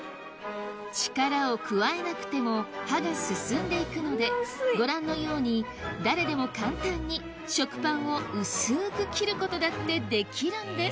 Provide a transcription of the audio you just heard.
力を加えなくても刃が進んでいくのでご覧のように誰でも簡単に食パンを薄く切ることだってできるんです